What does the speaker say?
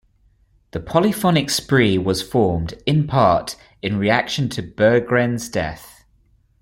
The Polyphonic Spree was formed, in part, in reaction to Berggren's death.